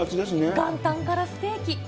元旦からステーキ。